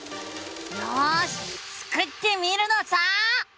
よしスクってみるのさ！